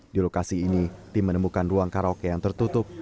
di lokasi ini tim menemukan ruang karaoke yang tertutup